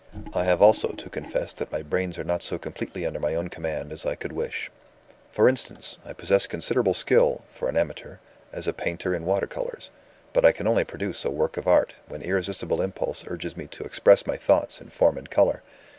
"I have also to confess that my brains are not so completely under my own command as I could wish. "For instance, I possess considerable skill (for an amateur) as a painter in water colors. But I can only produce a work of art, when irresistible impulse urges me to express my thoughts in form and color.